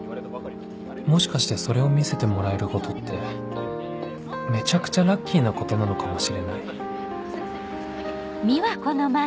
もしかしてそれを見せてもらえることってめちゃくちゃラッキーなことなのかもしれないよいしょ。